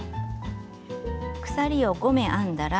鎖を５目編んだら。